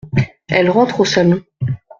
Elle rentre au salon.